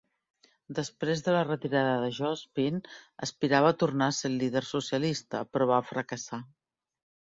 Després de la retirada de Jospin, aspirava a tornar a ser el líder socialista, però va fracassar.